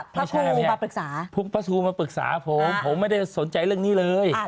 พระครูมาปรึกษาพวกพระทูมาปรึกษาผมผมไม่ได้สนใจเรื่องนี้เลย